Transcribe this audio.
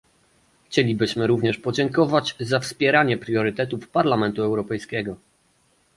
Chcielibyśmy również podziękować za wspieranie priorytetów Parlamentu Europejskiego